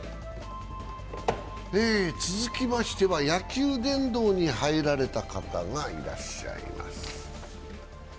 続きましては野球殿堂に入られた方がいらっしゃいます。